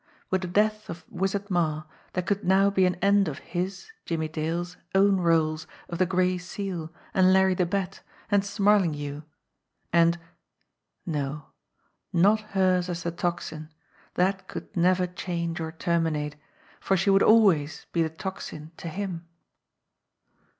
With the death of Wizard Marre there could now be an end of his, Jimmie Dale's, own roles of the Gray Seal, and Larry the Bat, and Smarlinghue, and no, not hers as the Tocsin, that could never change or terminate, for she would always be the Tocsin to him.